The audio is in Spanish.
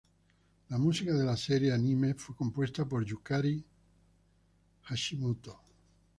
La música de la serie anime fue compuesta por Yukari Hashimoto.